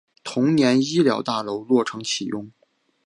同年医疗大楼落成启用。